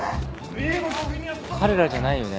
彼らじゃないよね？